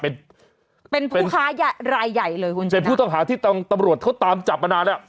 เป็นเป็นผู้ค้ารายใหญ่เลยคุณเป็นผู้ต้องหาที่ต้องตำรวจเขาตามจับมานานแล้ว